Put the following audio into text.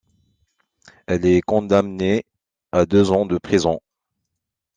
Elle est condamnée à deux ans de prison.